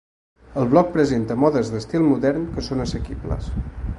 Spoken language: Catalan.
El blog presenta modes d'estil modern que són assequibles.